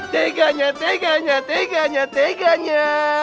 teganya teganya teganya teganya